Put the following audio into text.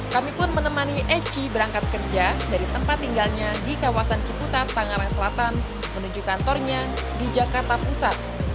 kami pun menemani eci berangkat kerja dari tempat tinggalnya di kawasan ciputat tangerang selatan menuju kantornya di jakarta pusat